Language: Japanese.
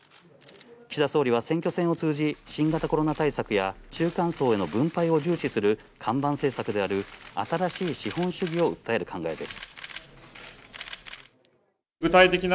岸田総理は選挙戦を通じ、新型コロナ対策や中間層への分配を重視する看板政策である、新しい資本主義を訴える考えです。